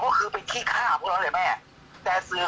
แม่ยังคงมั่นใจและก็มีความหวังในการทำงานของเจ้าหน้าที่ตำรวจค่ะ